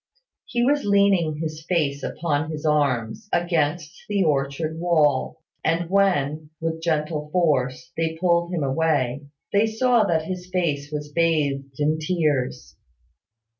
He was leaning his face upon his arms, against the orchard wall; and when, with gentle force, they pulled him away, they saw that his face was bathed in tears.